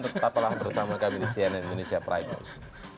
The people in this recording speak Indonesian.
tetaplah bersama kami di cnn indonesia prime news